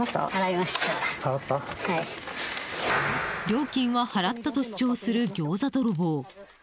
料金は払ったと主張するギョーザ泥棒。